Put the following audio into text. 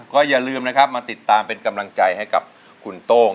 ก็อย่าลืมมาติดตามเป็นกำลังใจให้คุณต้อง